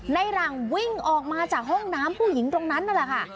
ในหลังวิ่งออกมาจากห้องน้ำผู้หญิงตรงนั้นนั่นแหละค่ะ